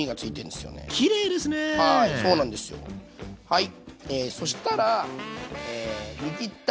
はい。